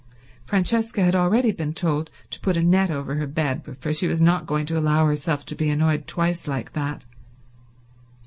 Francesca had already been told to put a net over her bed, for she was not going to allow herself to be annoyed twice like that.